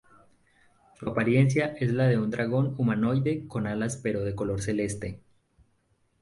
Su apariencia es la de un dragón humanoide con alas pero de color celeste.